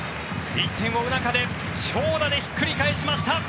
１点を追う中で長打でひっくり返しました。